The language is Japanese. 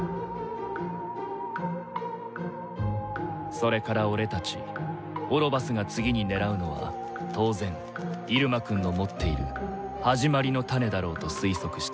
それからオレたちオロバスが次に狙うのは当然イルマくんの持っている「始まりのタネ」だろうと推測した。